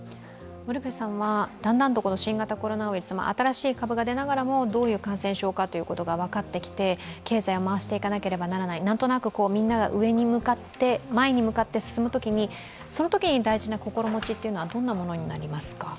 だんだんと新型コロナウイルス、新しい株が出ながらもどういう感染症かということが分かってきて経済を回していかなくてはならない、なんとなくみんなが前に向かって進むときに大事な心持ちというのはどんなものになりますか？